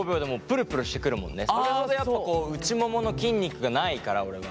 それほどやっぱこう内ももの筋肉がないから俺は。